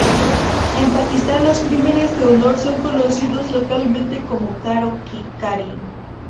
En Pakistán los crímenes de honor son conocidos localmente como karo-kari.